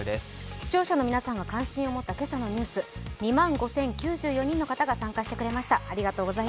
視聴者の皆さんが関心を持った今朝のニュース、２万５０９４人の方が参加してくださいました。